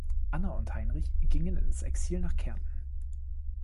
Anna und Heinrich gingen ins Exil nach Kärnten.